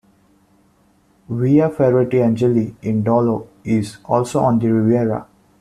Villa Ferretti-Angeli in Dolo is also on the Riviera.